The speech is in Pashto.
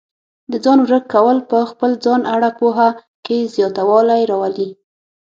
د ځان درک کول په خپل ځان اړه پوهه کې زیاتوالی راولي.